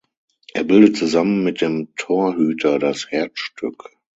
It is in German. Er bildet zusammen mit dem Torhüter das Herzstück.